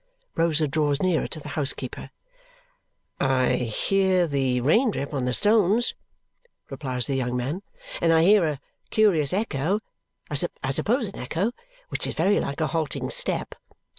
Rosa draws nearer to the housekeeper. "I hear the rain drip on the stones," replies the young man, "and I hear a curious echo I suppose an echo which is very like a halting step."